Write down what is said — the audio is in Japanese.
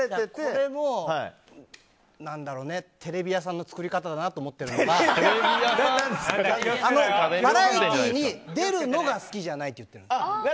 これもねテレビ屋さんの作り方だなって思っているのがバラエティーに出るのが好きじゃないって言ってるの。